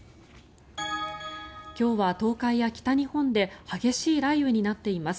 今日は東海や北日本で激しい雷雨になっています。